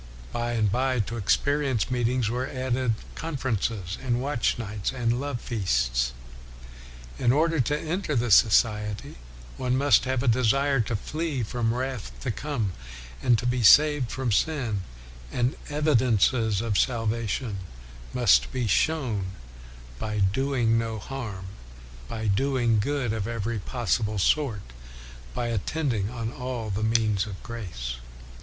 By and by, to experience meet ings were added conferences, and watch nights, and love feasts. In order to enter the society one must have a desire to flee from wrath to come and to be saved from sin; and evidences of salvation must be shown " by doing no harm, by doing good of every possible sort, by attending on all the means of grace.